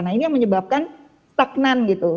nah ini yang menyebabkan stagnan gitu